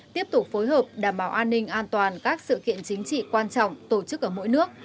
tiếp tục phối hợp đảm bảo an ninh an toàn các sự kiện chính trị quan trọng tổ chức ở mỗi nước